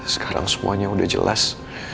sekarang semuanya udah jelas